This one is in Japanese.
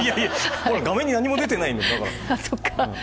画面に何も出てないんです。